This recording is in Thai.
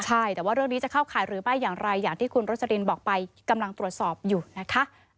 ใช่แต่ว่าเรื่องนี้จะเข้าข่ายหรือไม่อย่างไรอย่างที่คุณรสลินบอกไปกำลังตรวจสอบอยู่นะคะ